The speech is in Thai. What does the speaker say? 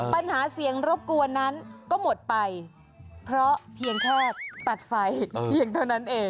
ปัญหาเสียงรบกวนนั้นก็หมดไปเพราะเพียงแค่ตัดไฟเพียงเท่านั้นเอง